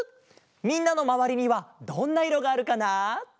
みんなのまわりにはどんないろがあるかな？